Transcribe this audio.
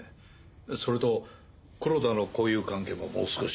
それと黒田の交友関係ももう少し。